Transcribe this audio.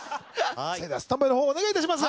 それではスタンバイのほうお願いいたします。